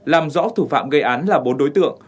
làm rõ thủ phạm gây án là bốn đối tượng